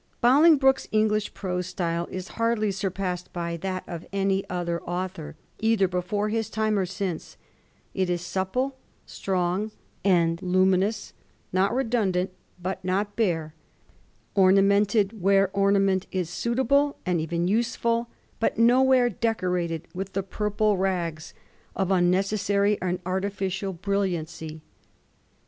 Bolingbroke's English prose style is hardly surpassed by that of any other author, either before his time or since. It is supple, strong, and luminous ; not redundant, but not bare ; orna mented where ornament is suitable and even useful, but nowhere decorated with the purple rags of im »2 Digiti zed by Google 36 A mSTORY OF THE POUR GEORGES. oh. n. necessary and artificial brilliancy.